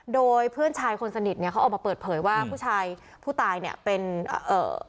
โดยเพื่อนชายคนสนิทเนี่ยเขาออกมาเปิดเผยว่าผู้ชายผู้ตายเนี่ยเป็นเอ่อ